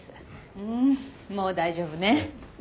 うんもう大丈夫ね。